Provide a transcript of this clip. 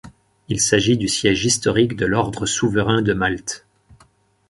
Il s'agit du siège historique de l'ordre souverain de Malte.